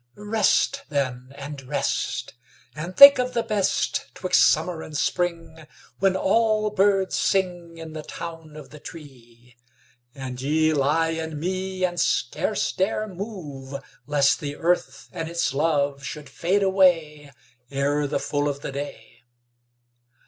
Rest then and rest, And think of the best 'Twixt summer and spring, When all birds sing In the town of the tree, And ye lie in me And scarce dare move, Lest the earth and its love Should fade away Ere the full of the day.